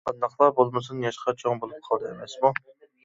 قانداقلا بولمىسۇن ياشقا چوڭ بولۇپ قالدى ئەمەسمۇ.